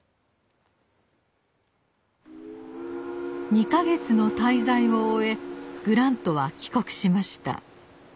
２か月の滞在を終えグラントは帰国しました。